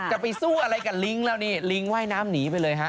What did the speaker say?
จะไปสู้อะไรกับลิงค์แล้วนี่ลิงว่ายน้ำหนีไปเลยฮะ